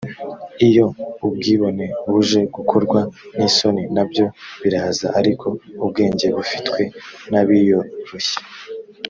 iyo ubwibone buje gukorwa n’isoni na byo biraza ariko ubwenge bufitwe n’abiyoroshya